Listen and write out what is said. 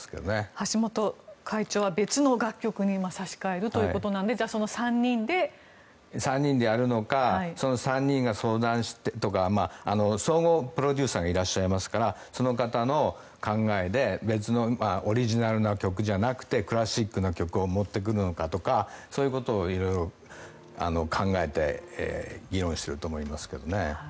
橋本会長は別の楽曲に差し替えるということなので３人でやるのかその３人が相談とか総合プロデューサーがいらっしゃいますからその方の考えで別のオリジナルな曲じゃなくてクラシックな曲を持ってくるのかとかそういうことを色々考えて議論していると思いますけどね。